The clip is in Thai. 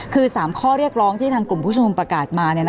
คือ๓ข้อเรียกร้องที่ทางกลุ่มผู้ชมนุมประกาศมา